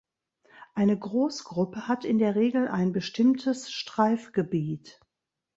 Eine Großgruppe hat in der Regel ein bestimmtes Streifgebiet.